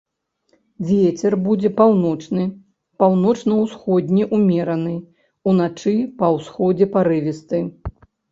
Вецер будзе паўночны, паўночна-усходні ўмераны, уначы па ўсходзе парывісты.